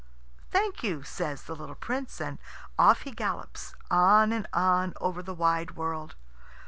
"Thank you," says the little Prince, and off he gallops, on and on over the wide world.